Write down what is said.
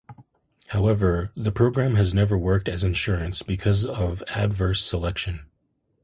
However, the program has never worked as insurance, because of adverse selection.